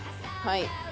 はい。